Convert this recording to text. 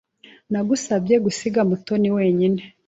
Nagusabye gusiga Mutoni wenyine.